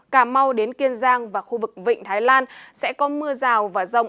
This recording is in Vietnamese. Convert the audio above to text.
cà mau đến kiên giang và khu vực vịnh thái lan sẽ có mưa rào và rông